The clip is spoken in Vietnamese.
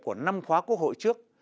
của năm khóa quốc hội trước